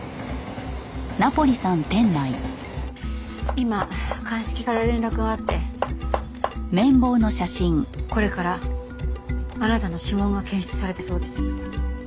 今鑑識から連絡があってこれからあなたの指紋が検出されたそうです。